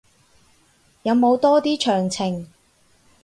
有冇多啲詳情